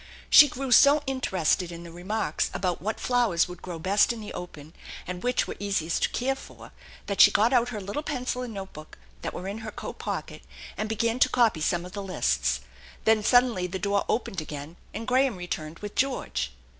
She grew so interested in the remarks about what flowers would grow best in the open and which were easiest to care for that she got out her little pencil and notebook that were in her <at pocket, and began to copy somie of the lists, Then suddenly the door opened again, and Graham returned with George.